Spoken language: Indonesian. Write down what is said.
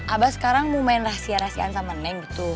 abah sekarang mau main rahasia rahasiaan sama neng gitu